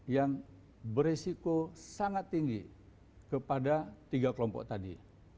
yang beresiko sangat tinggi kepada tiga kelompok tadi